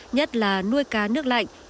nhất là nuôi cá nước lạnh